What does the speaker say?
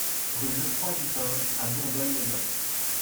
Rue Lefroit Dupain à Bourbonne-les-Bains